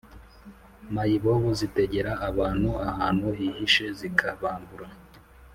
Mayibobo zitegera abantu ahantu hihishe zikabambura